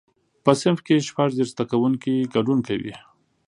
په صنف کې شپږ دیرش زده کوونکي ګډون کوي.